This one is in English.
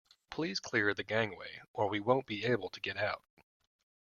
Please clear the gangway or we won't be able to get out